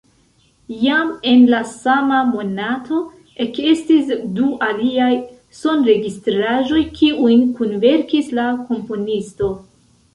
Jam en la sama monato ekestis du aliaj sonregistraĵoj, kiujn kunverkis la komponisto.